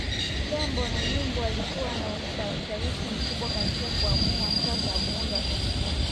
Tembo na nyumbu walikuwa na ushawishi mkubwa katika kuamua sasa muundo wa Serengeti